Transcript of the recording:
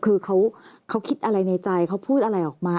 คือเขาคิดอะไรในใจเขาพูดอะไรออกมา